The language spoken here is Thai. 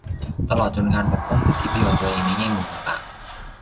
ตลอดจนการปกป้องสิทธิประโยชน์ตัวเองในแง่มุมต่าง